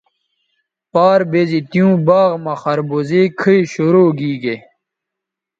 پار بیزی تیوں باغ مہ خربوزے کھئ شروع گیگے